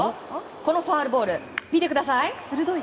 このファウルボール見てください。